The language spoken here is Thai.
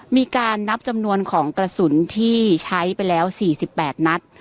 มีการนับจำนวนของกระสุนที่ใช้ไปแล้ว๔๘นัด